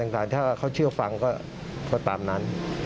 แต่ถ้าเขาเชื่อฟังก็ตามนั้น